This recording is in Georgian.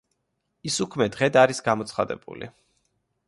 ის უქმე დღედ არის გამოცხადებული.